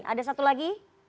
ada satu lagi